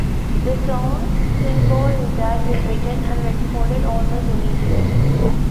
The song "Pinball Wizard" was written and recorded almost immediately.